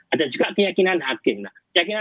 ada juga keyakinan hakim